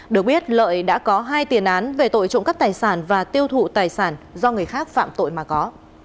được biết lợi đã có hai tiền án về tội trộm cắp tài sản và tiêu thụ tài sản do người khác phạm tội mà có